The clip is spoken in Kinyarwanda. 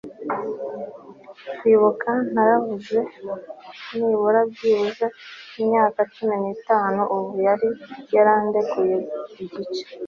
kwibuka, 'naravuze. 'nibura byibuze imyaka cumi n'itanu ...' ubu yari yarandekuye igice